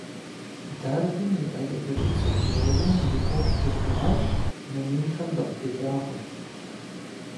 Дарвин и эволюцэ теорием и гугъу дывмыгъэщӀ, номинхэм дакъытекӀакъым!